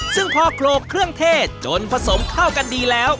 ซึ่งพอโคลกเครื่องเทศจนผสมเข้ากันดีแล้ว